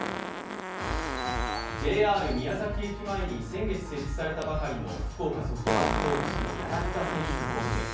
ＪＲ宮崎駅前に先月設置されたばかりの福岡ソフトバンクホークスの柳田選手のオブジェ。